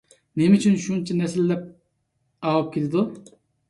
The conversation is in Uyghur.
نېمە ئۈچۈن شۇنچە نەسىللەپ ئاۋۇپ كېتىدۇ؟